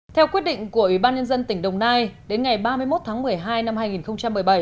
theo quyết định của ủy ban nhân dân tỉnh đồng nai đến ngày ba mươi một tháng một mươi hai năm hai nghìn một mươi bảy